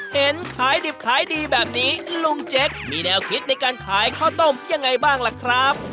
เห็นขายดิบขายดีแบบนี้ลุงเจ๊กมีแนวคิดในการขายข้าวต้มยังไงบ้างล่ะครับ